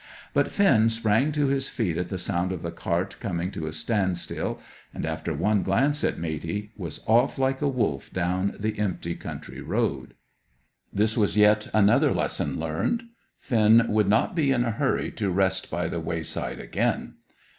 But Finn sprang to his feet at the sound of the cart coming to a standstill, and, after one glance at Matey, was off like a wolf down the empty country road. This was yet another lesson learned. Finn would not be in a hurry to rest by the wayside again.